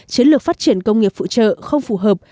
chiến lược phát triển công nghiệp phụ trợ không phù hợp